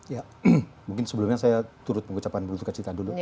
ya mungkin sebelumnya saya turut mengucapkan bertukar cerita dulu